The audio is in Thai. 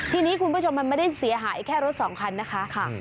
ทีนี้คุณผู้ชมมันไม่ได้เสียหายแค่รถสองคันนะคะ